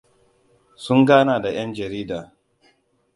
Sun gana da ƴan jarida.